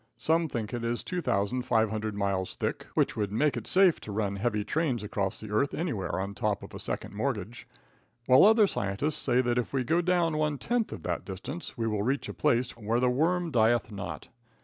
Some think it is 2,500 miles thick, which would make it safe to run heavy trains across the earth anywhere on top of a second mortgage, while other scientists say that if we go down one tenth of that distance we will reach a place where the worm dieth not.